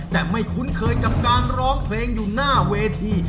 แต่ไม่คุ้นเคยกับการร้องเพลงอยู่หน้าเวที